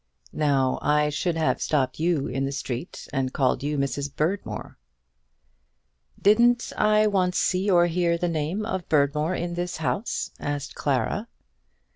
Now, I should have stopped you in the street and called you Mrs. Berdmore." "Didn't I once see or hear the name of Berdmore in this house?" asked Clara.